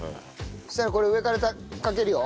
そしたらこれ上からかけるよ。